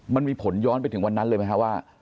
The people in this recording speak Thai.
มันมีผลย้อนไปถึงวันนั้นเลยไหมคะว่า